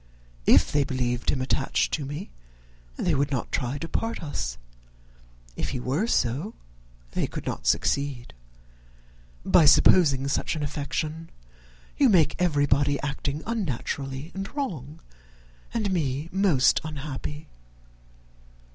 If they believed him attached to me they would not try to part us; if he were so, they could not succeed. By supposing such an affection, you make everybody acting unnaturally and wrong, and me most unhappy.